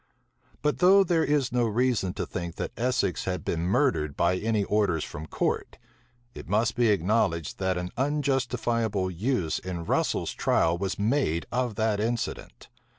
But though there is no reason to think that Essex had been murdered by any orders from court, it must be acknowledged that an unjustifiable use in Russel's trial was made of that incident.